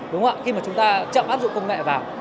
đúng không ạ khi mà chúng ta chậm áp dụng công nghệ vào